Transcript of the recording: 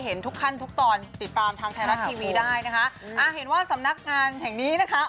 เห็นว่าสำนักงานแห่งนี้นะคะ